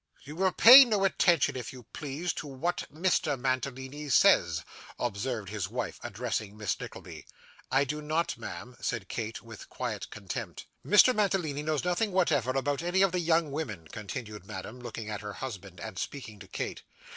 'You will pay no attention, if you please, to what Mr. Mantalini says,' observed his wife, addressing Miss Nickleby. 'I do not, ma'am,' said Kate, with quiet contempt. 'Mr. Mantalini knows nothing whatever about any of the young women,' continued Madame, looking at her husband, and speaking to Kate.